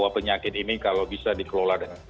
penyakit ini kalau bisa dikelola dengan